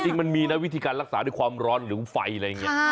จริงมันมีนะวิธีการรักษาด้วยความร้อนหรือไฟอะไรอย่างนี้